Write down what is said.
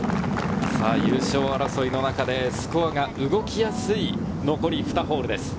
優勝争いの中でスコアが動きやすい残り２ホールです。